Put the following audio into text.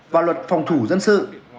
và luật phòng thủ dân sự